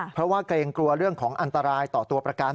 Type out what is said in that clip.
เพราะว่าเกรงกลัวเรื่องของอันตรายต่อตัวประกัน